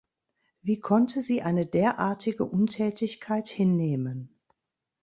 Wie konnte sie eine derartige Untätigkeit hinnehmen?